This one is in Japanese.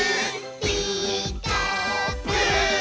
「ピーカーブ！」